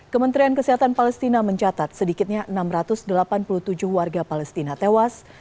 kementerian kesehatan palestina mencatat sedikitnya enam ratus delapan puluh tujuh warga palestina tewas